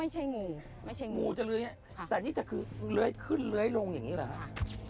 ไม่ใช่งูงูจะเรือยอย่างนี้แต่นี่จะเรือยขึ้นเรือยลงอย่างนี้หรอคะ